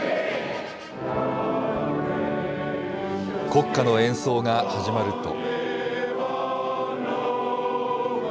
国歌の演奏が始まると。